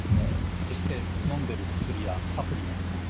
そしてのんでる薬やサプリメント。